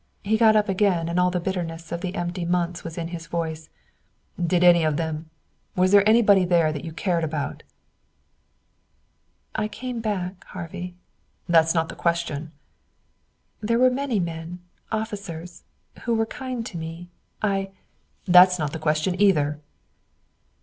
He got up again and all the bitterness of the empty months was in his voice. "Did any of them was there anybody there you cared about?" "I came back, Harvey." "That's not the question." "There were many men officers who were kind to me. I " "That's not the question, either."